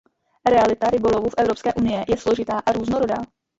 Realita rybolovu v Evropské unie je složitá a různorodá.